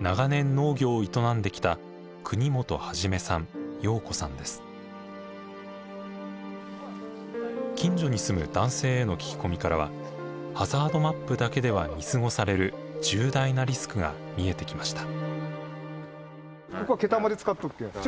長年農業を営んできた近所に住む男性への聞き込みからはハザードマップだけでは見過ごされる重大なリスクが見えてきました。